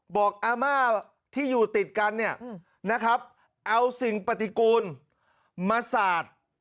อาม่าที่อยู่ติดกันเนี่ยนะครับเอาสิ่งปฏิกูลมาสาด